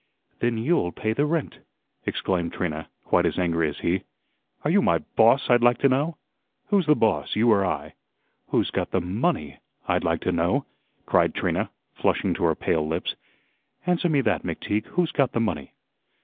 "Then YOU'LL pay the rent," exclaimed Trina, quite as angry as he. "Are you my boss, I'd like to know? Who's the boss, you or I?" "Who's got the MONEY, I'd like to know?" cried Trina, flushing to her pale lips. "Answer me that, McTeague, who's got the money?"